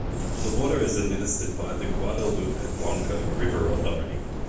The water is administered by the Guadalupe-Blanco River Authority.